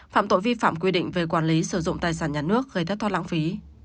phạm tội vi phạm quy định về quản lý sử dụng tài sản nhà nước gây thất thoát lãng phí